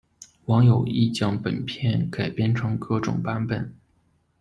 网友亦将本片改编成各种版本。